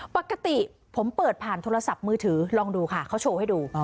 ปกติผมเปิดผ่านโทรศัพท์มือถือลองดูค่ะเขาโชว์ให้ดู